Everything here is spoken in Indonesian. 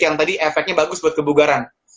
yang tadi efeknya bagus buat kebugaran